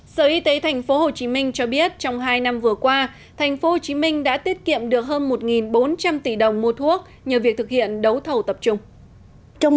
sở y tế tp hcm cho biết trong hai năm vừa qua tp hcm đã tiết kiệm được hơn một bốn trăm linh tỷ đồng mua thuốc nhờ việc thực hiện đấu thầu tập trung